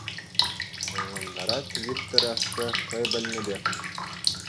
Ӑнлантарать Вихтӗр ашшӗ хӑй пӗлнӗ пек.